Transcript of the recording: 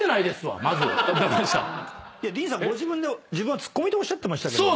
ディーンさんご自分で自分はツッコミとおっしゃってましたけど。